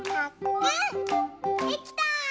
できた！